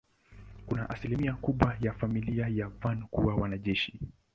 Kuna asilimia kubwa ya familia ya Van kuwa wanajeshi.